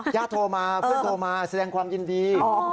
โทรมาเพื่อนโทรมาแสดงความยินดี